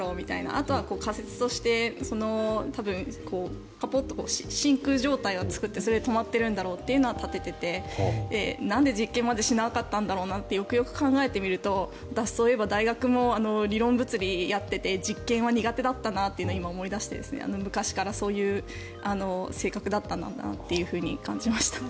あとは仮説として多分、カポッと真空状態を作ってそれで止まってるんだろうというのは立てていてなんで実験までしなかったんだろうなってよくよく考えてみると私、そういえば大学も理論物理をやってて実験は苦手だったなと今、思い出して昔からそういう性格だったなと感じました。